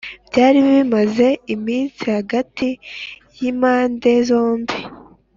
byari bimaze iminsi hagati y’impande zombi